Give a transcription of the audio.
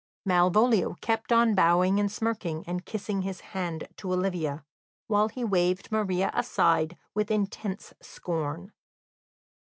Malvolio kept on bowing and smirking, and kissing his hand to Olivia, while he waved Maria aside with intense scorn.